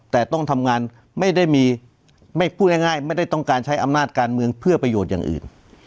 แต่ต้องทำงานไม่ได้มีไม่พูดง่ายไม่ได้ต้องการใช้อำนาจการเมืองเพื่อประโยชน์อย่างอื่น